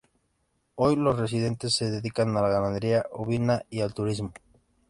Hoy los residentes se dedican a la ganadería ovina y al turismo.